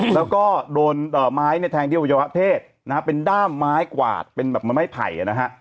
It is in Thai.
แล้วก็โดนไม้เนี่ยแทงที่อวัยวะเพศนะฮะเป็นด้ามไม้กวาดเป็นแบบไม้ไผ่นะฮะ